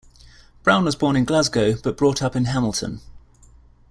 Brown was born in Glasgow, but brought up in Hamilton.